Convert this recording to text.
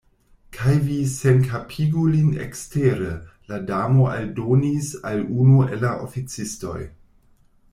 "Kaj vi senkapigu lin ekstere," la Damo aldonis al unu el la oficistoj.